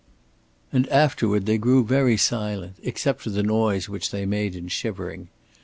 And afterward they grew very silent, except for the noise which they made in shivering.